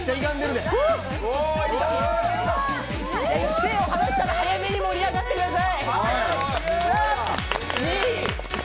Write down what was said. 手を外したら早めに盛り上がってください。